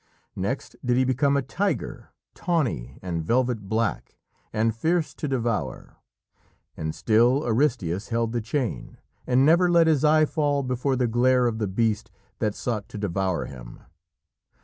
Next did he become a tiger, tawny and velvet black, and fierce to devour. And still Aristæus held the chain, and never let his eye fall before the glare of the beast that sought to devour him.